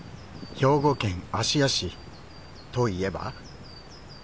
兵庫県芦屋市といえば？